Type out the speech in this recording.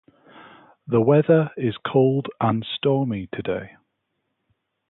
The weather is cold and stormy today.